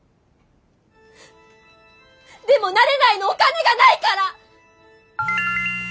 でもなれないのお金がないから！